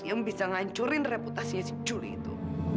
yang bisa ngancurin reputasinya si juli itu